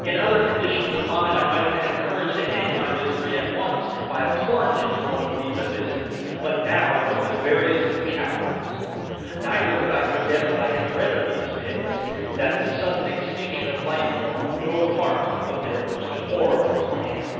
In other conditions of mind I might have had courage to end my misery at once by a plunge into one of these abysses; but now I was the veriest of cowards. Neither could I forget what I had read of these pits—that the sudden extinction of life formed no part of their most horrible plan.